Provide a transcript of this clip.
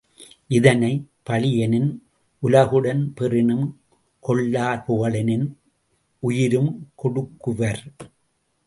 இதனை, பழி எனின் உலகுடன் பெறினும் கொள்ளார் புகழெனின் உயிரும் கொடுக்குவர்.